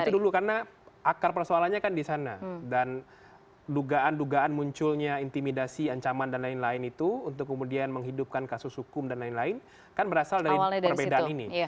itu dulu karena akar persoalannya kan di sana dan dugaan dugaan munculnya intimidasi ancaman dan lain lain itu untuk kemudian menghidupkan kasus hukum dan lain lain kan berasal dari perbedaan ini